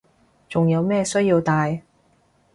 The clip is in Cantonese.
仲有咩需要戴